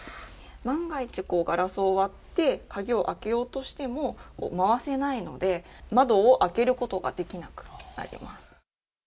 万が一ガラスを割って鍵を開けようとしても、回せないので、窓を開けることができなくなります。